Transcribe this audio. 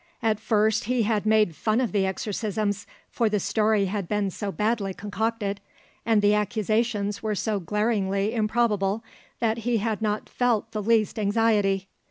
At first he had made fun of the exorcisms, for the story had been so badly concocted, and the accusations were so glaringly improbable, that he had not felt the least anxiety.